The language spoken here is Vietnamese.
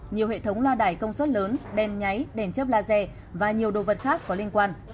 nhiều hệ thống loa đài công suất lớn đèn nháy đèn chớp laser và nhiều đồ vật khác có liên quan